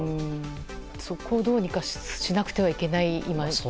そこをどうにかしなくてはいけない現状で。